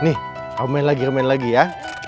nih kamu main lagi main lagi ya